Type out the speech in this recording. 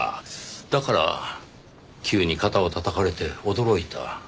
だから急に肩をたたかれて驚いた。